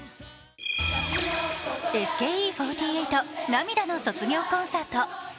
ＳＫＥ４８、涙の卒業コンサート。